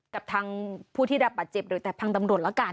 กับทางผู้ที่รับบาดเจ็บหรือแต่ทางตำรวจแล้วกัน